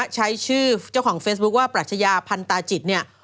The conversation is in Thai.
ใช้ชื่อเจ้าของเฟซบุ๊คว่าปรัชญาพันตาจิตเนี่ย